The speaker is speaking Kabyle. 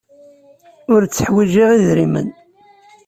Ur tteḥwijiɣ idrimen.